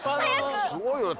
すごいよね